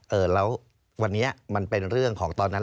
เออแล้ววันนี้มันเป็นเรื่องของตอนนั้น